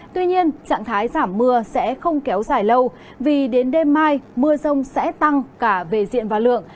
tuy nhiên trạng thái giảm mưa sẽ không kéo dài lâu vì đến đêm mai mưa rông sẽ tăng cả về diện và lượng